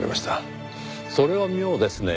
それは妙ですねぇ。